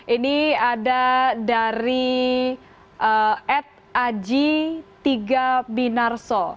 ini ada dari ed aji tiga binarso